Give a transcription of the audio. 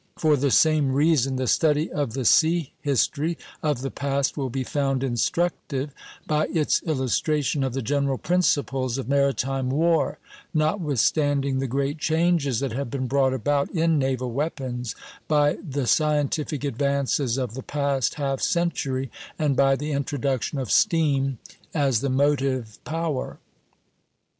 For the same reason the study of the sea history of the past will be found instructive, by its illustration of the general principles of maritime war, notwithstanding the great changes that have been brought about in naval weapons by the scientific advances of the past half century, and by the introduction of steam as the motive power.